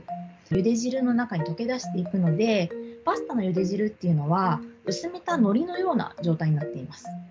ゆで汁の中に溶け出していくのでパスタのゆで汁っていうのは薄めたのりのような状態になっています。